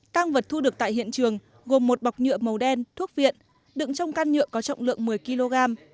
tăng vật thu được tại hiện trường gồm một bọc nhựa màu đen thuốc viện đựng trong can nhựa có trọng lượng một mươi kg